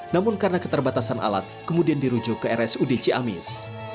namun karena keterbatasan alat kemudian dirujuk ke rsud ciamis